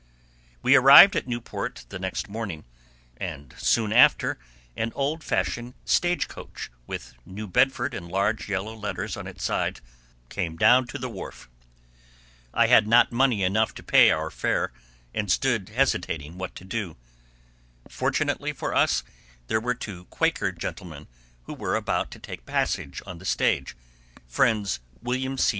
We arrived at Newport the next morning, and soon after an old fashioned stage coach, with "New Bedford" in large yellow letters on its sides, came down to the wharf. I had not money enough to pay our fare, and stood hesitating what to do. Fortunately for us, there were two Quaker gentlemen who were about to take passage on the stage,—Friends William C.